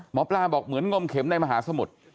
หมอปลาบอกเหมือนงมเข็มในมหาสมุทร